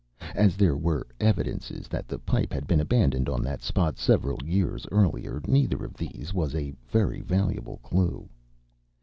As there were evidences that the pipe had been abandoned on that spot several years earlier, neither of these was a very valuable clue.